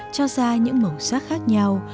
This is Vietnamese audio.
cho ra những màu sắc khác nhau